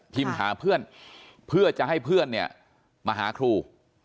หาเพื่อนเพื่อจะให้เพื่อนเนี่ยมาหาครู